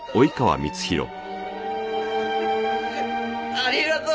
ありがとう！